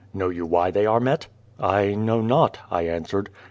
Know you why they are met ?"" I know not," I answered.